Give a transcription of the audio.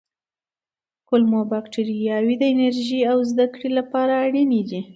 کولمو بکتریاوې د انرژۍ او زده کړې لپاره اړینې دي.